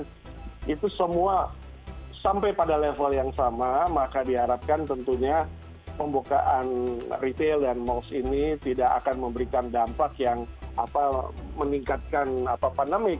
nah itu semua sampai pada level yang sama maka diharapkan tentunya pembukaan retail dan most ini tidak akan memberikan dampak yang meningkatkan pandemi